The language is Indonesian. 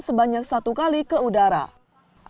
sebanyak sepuluh orang yang berada di dalam minimarket